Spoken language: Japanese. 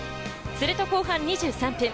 すると後半２３分。